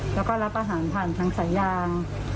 แล้วก็รับอาหารผ่านทางสายยาง